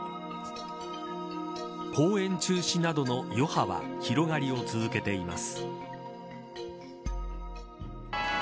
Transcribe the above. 公演中止などの余波は広がりを続けています。